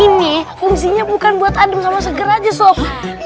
ini fungsinya bukan buat adem sama seger aja sok